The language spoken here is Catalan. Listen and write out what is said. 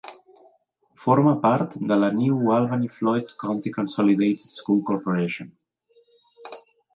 Forma part de la New Albany-Floyd County Consolidated School Corporation.